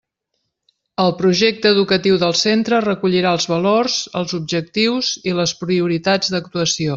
El projecte educatiu del centre recollirà els valors, els objectius i les prioritats d'actuació.